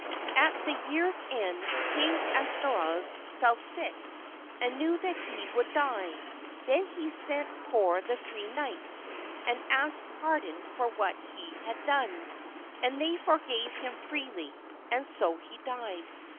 At the year's end King Estorause fell sick and knew that he would die; then he sent for the three knights and asked pardon for what he had done, and they forgave him freely, and so he died.